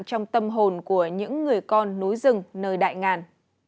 trong tâm hồn của những người con núi rừng nơi đại ngàn